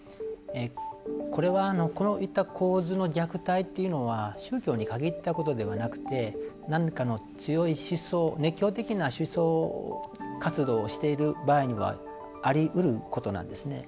これは、こういった構図の虐待というのは宗教に限ったことではなくて何かの強い思想熱狂的な思想活動をしている場合にはありうることなんですね。